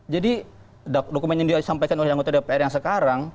jadi dokumen yang disampaikan oleh anggota dpr yang sekarang